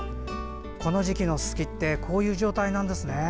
この時期のススキってこういう状態なんですね。